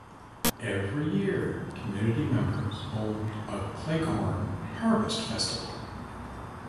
Every year, community members hold a Cleghorn Harvest Festival.